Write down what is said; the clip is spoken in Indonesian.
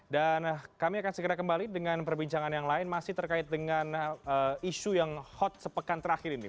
dan kami akan segera kembali dengan perbincangan yang lain masih terkait dengan isu yang hot sepekan terakhir ini